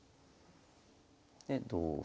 で同歩。